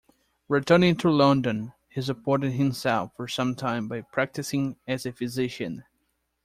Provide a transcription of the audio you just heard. Returning to London he supported himself for some time by practising as a physician.